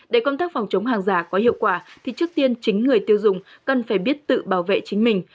để công tác phòng chống hàng giả có hiệu quả thì trước tiên chính người tiêu dùng cần phải biết tự bảo vệ chính mình